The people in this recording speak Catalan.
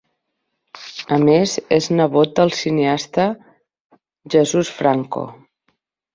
A més és nebot del cineasta Jesús Franco.